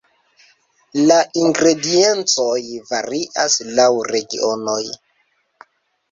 La ingrediencoj varias laŭ regionoj.